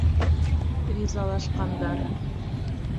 Ризалашҡандар.